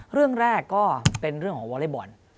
เรื่องแรกก็เป็นเรื่องของวอเล็กบอล